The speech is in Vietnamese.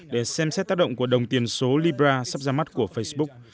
để xem xét tác động của đồng tiền số libra sắp ra mắt của facebook